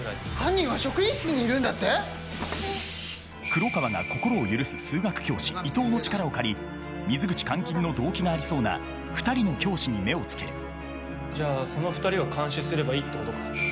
黒川が心を許す数学教師伊藤の力を借り水口監禁の動機がありそうな２人の教師に目をつけるじゃあその２人を監視すればいいってことか。